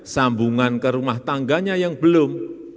sambungan ke rumah tangganya yang belum